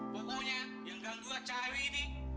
pokoknya yang gangguan cari ini